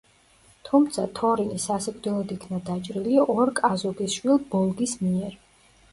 თუმცა, თორინი სასიკვდილოდ იქნა დაჭრილი ორკ აზოგის შვილ ბოლგის მიერ.